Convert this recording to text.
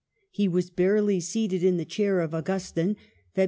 He was barely seated in the Chair of Augustine (Feb.